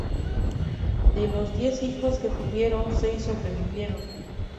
De los diez hijos que tuvieron, seis sobrevivieron.